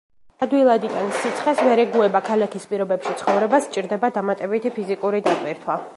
ადვილად იტანს სიცხეს, ვერ ეგუება ქალაქის პირობებში ცხოვრებას, სჭირდება დამატებითი ფიზიკური დატვირთვა.